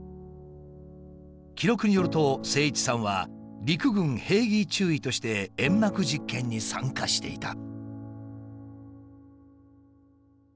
記録によると精一さんは陸軍兵技中尉として煙幕実験に参加していた。